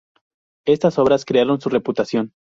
Estas obras crearon su reputación.